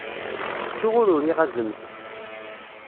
Ttuɣ ur uriɣ azemz?